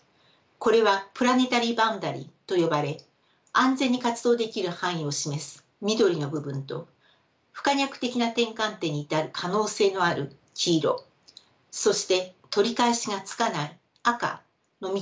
これはプラネタリー・バウンダリーと呼ばれ安全に活動できる範囲を示す緑の部分と不可逆的な転換点に至る可能性のある黄色そして取り返しがつかない赤の３つの領域から出来ています。